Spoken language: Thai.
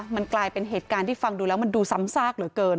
มันกลายเป็นเหตุการณ์ที่ฟังดูแล้วมันดูซ้ำซากเหลือเกิน